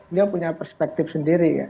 dia punya perspektif sendiri